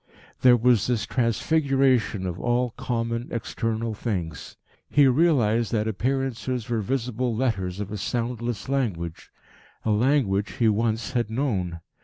There was this transfiguration of all common, external things. He realised that appearances were visible letters of a soundless language, a language he once had known.